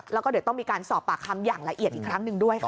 แล้วก็เดี๋ยวต้องมีการสอบปากคำอย่างละเอียดอีกครั้งหนึ่งด้วยค่ะ